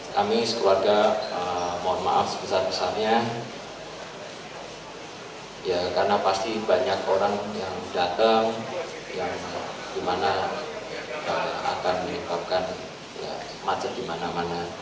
kami sekeluarga mohon maaf sebesar besarnya karena pasti banyak orang yang datang yang dimana akan menyebabkan macet di mana mana